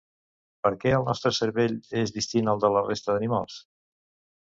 Per què el nostre cervell és distint al de la resta d’animals?